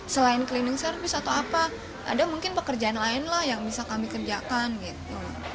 selain cleaning service atau apa ada mungkin pekerjaan lain lah yang bisa kami kerjakan gitu